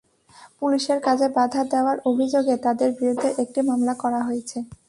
পুলিশের কাজে বাধা দেওয়ার অভিযোগে তাঁদের বিরুদ্ধে একটি মামলা করা হয়েছে।